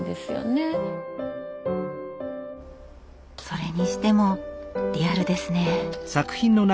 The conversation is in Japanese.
それにしてもリアルですねえ。